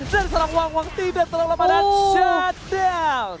dari sarang wang wang tidak terlalu lama dan shutdown